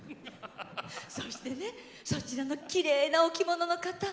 そちらのきれいなお着物の方。